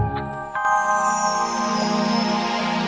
kamu sama siapa